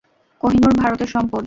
কোহিনূর ভারতের সম্পদ!